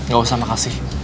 gak usah makasih